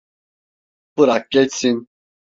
Bırak geçsin.